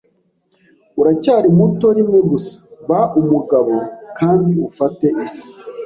Uracyari muto rimwe gusa. Ba umugabo kandi ufate isi.